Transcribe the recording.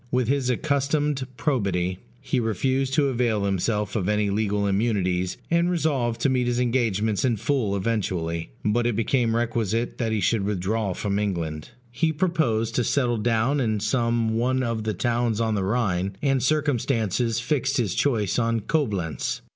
With his accustomed probity, he refused to avail himself of any legal immunities, and resolved to meet his engagements in full eventually; but it became requisite that he should withdraw from England. He proposed to settle down in some one of the towns on the Rhine, and circumstances fixed his choice on Coblentz.